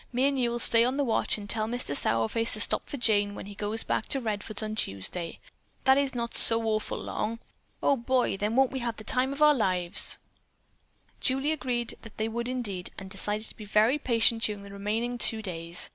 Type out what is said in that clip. Me and you'll stay on the watch and tell Mister Sourface to stop for Jane when he goes back to Redfords on Tuesday. That is not so awful long. Oh, boy, then won't we have the time of our lives?" Julie agreed that they would indeed and decided to be very patient during the remaining two days.